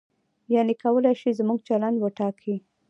یعنې کولای شي زموږ چلند وټاکي.